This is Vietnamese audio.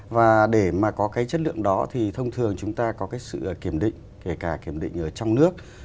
và để có chất lượng đó thì thông thường chúng ta có sự kiểm định kể cả kiểm định ở trong nước